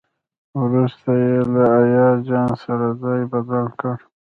وروسته یې له ایاز جان سره ځای بدل کړ.